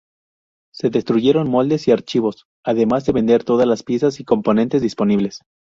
Se destruyeron moldes y archivos, además de vender todas las piezas y componentes disponibles.